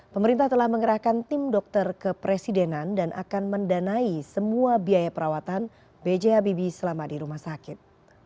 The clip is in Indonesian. pemerintah telah mengerahkan tim dokter kepresidenan dan akan mendanai semua biaya perawatan b j habibie selama di rumah sakit